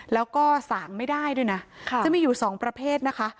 แล้วก็สางไม่ได้ด้วยนะจะมีอยู่สองประเภทนะคะ